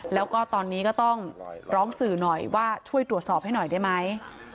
แล้วก็ตอนนี้ก็ต้องร้องสื่อหน่อยว่าช่วยตรวจสอบให้หน่อยได้ไหม